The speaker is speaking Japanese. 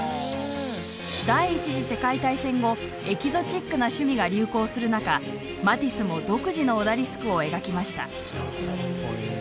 第１次世界大戦後エキゾチックな趣味が流行する中マティスも独自のオダリスクを描きました。